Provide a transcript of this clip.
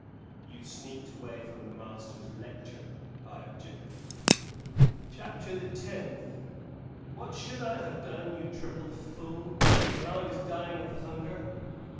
"You sneaked away from the master's lecture," I objected. CHAPTER THE TENTH. "What should I have done, you triple fool, when I was dying of hunger?